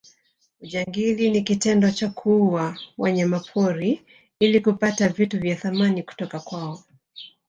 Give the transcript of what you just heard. ujangili ni kitendo cha kuua wanyamapori ili kupata vitu vya thamani kutoka kwao